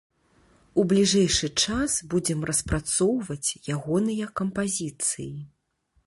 У бліжэйшы час будзем распрацоўваць ягоныя кампазіцыі.